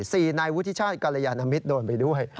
สี่นายวุฒิชาติกรยานมิตรโดนไปด้วย